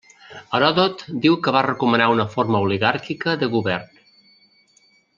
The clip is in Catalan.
Heròdot diu que va recomanar una forma oligàrquica de govern.